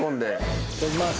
いただきます。